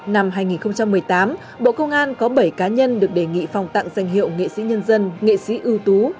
năm hai nghìn một mươi tám bộ công an có bảy cá nhân được đề nghị phòng tặng danh hiệu nghệ sĩ nhân dân nghệ sĩ ưu tú